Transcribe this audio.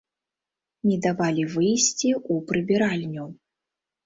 Не давалі выйсці ў прыбіральню.